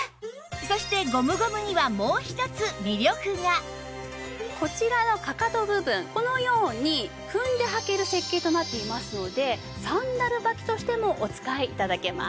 そしてゴムゴムにはこちらのかかと部分このように踏んで履ける設計となっていますのでサンダル履きとしてもお使い頂けます。